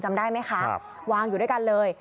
จำได้ไหมคะวางอยู่ด้วยกันเลย